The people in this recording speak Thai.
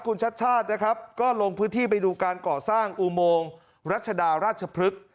คุณชัดชาตินะครับก็ลงพื้นที่ไปดูการก่อสร้างอุโมงรัชดาราชพฤกษ์